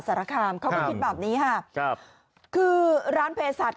สาราคมเขาผิดแบบนี้ค่ะก็คือร้านเพศัตริย์